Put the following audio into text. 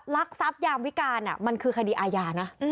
รักทรัพยามวิการมันคือคดีอาญานะ